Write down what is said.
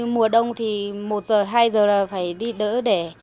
mùa đông thì một giờ hai giờ là phải đi đỡ để